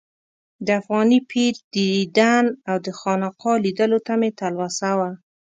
د افغاني پیر دیدن او د خانقا لیدلو ته مې تلوسه وه.